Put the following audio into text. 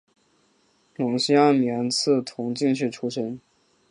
隆兴二年赐同进士出身。